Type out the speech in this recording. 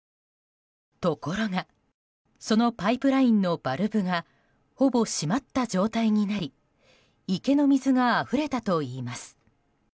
ところがそのパイプラインのバルブがほぼ閉まった状態になり池の水があふれたといいます。